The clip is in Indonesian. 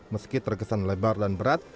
meski terkesan lebar dan berat